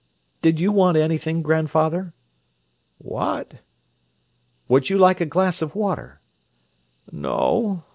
"Did you want anything, grandfather?" "What?" "Would you like a glass of water?" "No—no.